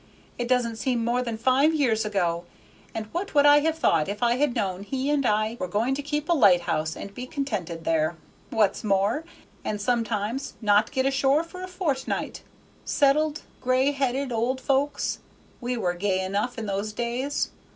It doesn't seem more than five years ago, and what would I have thought if I had known 'he' and I were going to keep a lighthouse and be contented there, what's more, and sometimes not get ashore for a fortnight; settled, gray headed old folks! We were gay enough in those days.